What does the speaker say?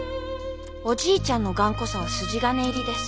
おじいちゃんの頑固さは筋金入りです。